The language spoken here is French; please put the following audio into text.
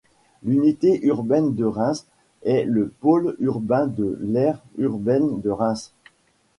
L'unité urbaine de Reims est le pôle urbain de l'aire urbaine de Reims.